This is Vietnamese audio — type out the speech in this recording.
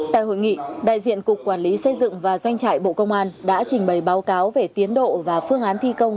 tại hội nghị đại diện cục quản lý xây dựng và doanh trại bộ công an đã trình bày báo cáo về tiến độ và phương án thi công